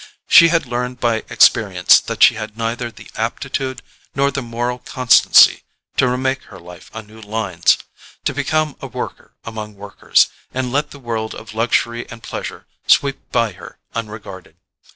She had learned by experience that she had neither the aptitude nor the moral constancy to remake her life on new lines; to become a worker among workers, and let the world of luxury and pleasure sweep by her unregarded.